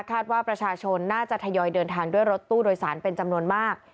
ว่าประชาชนน่าจะทยอยเดินทางด้วยรถตู้โดยสารเป็นจำนวนมาก